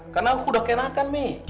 karena udah kenakan min